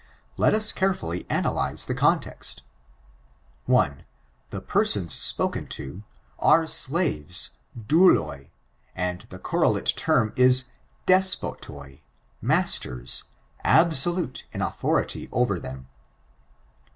Let us carefully analyze die context. 1. The persons epdcen to, are slaves, douhif and the correlate term, is despotoi — ^masters — absolute in authority over them.